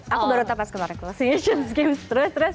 aku baru tau pas kemarin closiation games terus